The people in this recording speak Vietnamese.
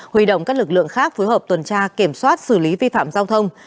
huy động các lực lượng khác phối hợp tuần tra kiểm soát xử lý vi phạm giao thông